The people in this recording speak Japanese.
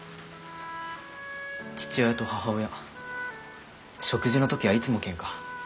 父親と母親食事の時はいつもケンカ。